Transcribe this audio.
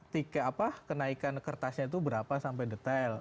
tike apa kenaikan kertasnya itu berapa sampai detail